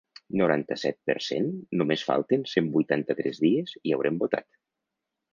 Noranta-set per cent Només falten cent vuitanta-tres dies i haurem votat.